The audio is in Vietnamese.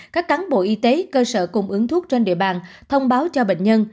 các cán bộ y tế cơ sở cung ứng thuốc trên địa bàn thông báo cho bệnh nhân